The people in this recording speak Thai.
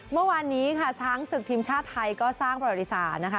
เมื่อวานนี้ค่ะช้างศึกทีมชาติไทยก็สร้างประวัติศาสตร์นะคะ